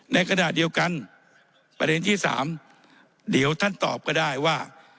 ในขณะเดียวกันประเด็นที่๓เดี๋ยวท่านตอบก็ได้ว่า